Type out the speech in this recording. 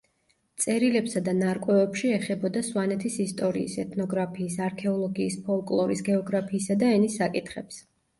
წერილებსა და ნარკვევებში ეხებოდა სვანეთის ისტორიის, ეთნოგრაფიის, არქეოლოგიის, ფოლკლორის, გეოგრაფიისა და ენის საკითხებს.